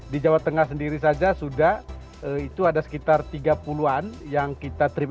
di jawa tengah sendiri saja sudah itu ada sekitar tiga puluh an yang kita terima